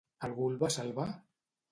Algú el va salvar?